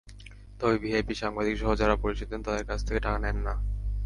তবে ভিআইপি, সাংবাদিকসহ যাঁরা পরিচয় দেন, তাঁদের কাছ থেকে টাকা নেন না।